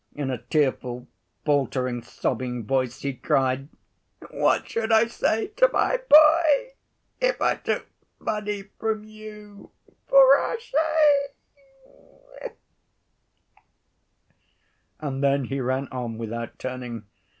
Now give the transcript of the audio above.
In a tearful, faltering, sobbing voice he cried: "What should I say to my boy if I took money from you for our shame?" And then he ran on without turning.